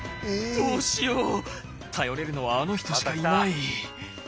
どうしよう頼れるのはあの人しかいない。